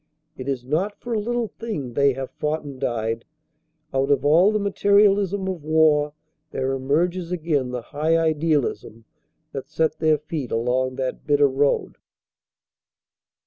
It is not for a little thing they have fought and died. Out of all the material ism of war there emerges again the high idealism that set their feet along that bitter road.